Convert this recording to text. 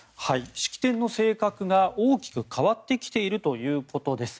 式典の性格が大きく変わってきているということです。